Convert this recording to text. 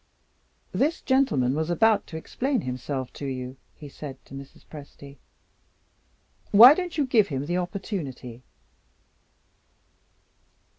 "The gentleman was about to explain himself to you," he said to Mrs. Presty. "Why don't you give him the opportunity?"